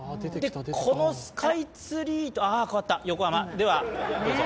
このスカイツリーああ、変わった、横浜、どうぞ。